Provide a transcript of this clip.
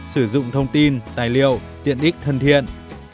sử dụng thông tin tài liệu tiện ích thân thiện